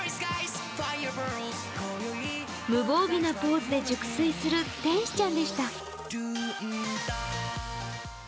無防備なポーズで熟睡する天使ちゃんでした。